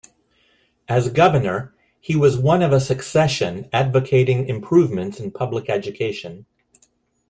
As Governor he was one of a succession advocating improvements in public education.